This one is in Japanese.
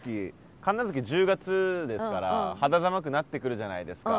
神無月１０月ですから肌寒くなってくるじゃないですか。